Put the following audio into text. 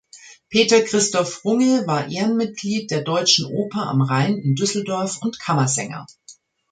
Peter-Christoph Runge war Ehrenmitglied der Deutschen Oper am Rhein in Düsseldorf und Kammersänger.